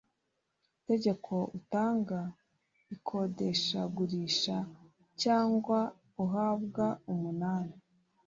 Itegeko utanga ikodeshagurisha cyangwa uhabwa umunani